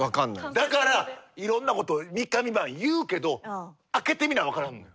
だからいろんなことを三日三晩言うけど開けてみな分からんのよ。